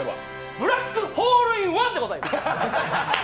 「ブラックホールインワン」でございます。